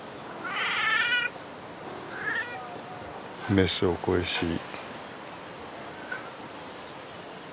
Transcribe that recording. メスを恋しい。